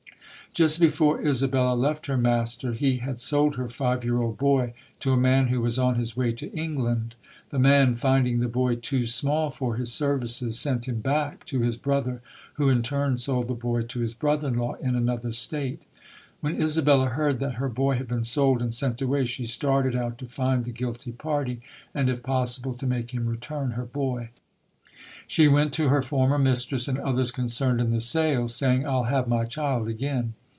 Just before Isabella left her master, he had sold her five year old boy to a man who was on his way to England. The man, finding the boy too small for his services, sent him back to his brother, who in turn sold the boy to his brother in law in another state. When Isabella heard that her boy had been sold and sent away, she started SOJOURNER TRUTH [ 213 out to find the guilty party and, if possible, to make him return her boy. She went to her former mistress and others con cerned in the sale, saying, "I'll have my child again".